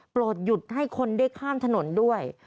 หยุดให้คนได้ข้ามถนนด้วย